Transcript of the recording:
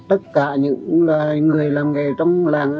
tất cả những là người làm nghề trong làng